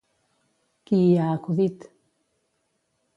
Qui hi ha acudit?